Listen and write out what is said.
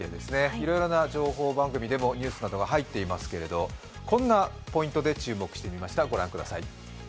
いろいろな情報番組などでもニュースが入っていますけれどもこんなポイントで注目してみました。